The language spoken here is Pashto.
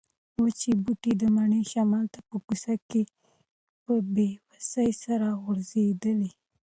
وچ بوټي د مني شمال ته په کوڅه کې په بې وسۍ سره خوځېدل.